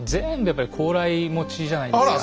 やっぱり高麗持ちじゃないですか。